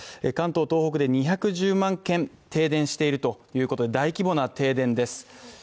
関東、東北で２１０万軒停電しているという大規模な停電です。